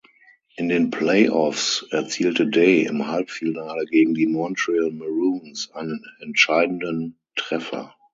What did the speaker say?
In den Playoffs erzielte Day im Halbfinale gegen die Montreal Maroons einen entscheidenden Treffer.